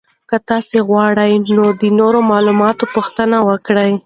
که تاسو غواړئ نو د نورو معلوماتو پوښتنه وکړئ.